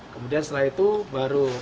kemudian setelah itu baru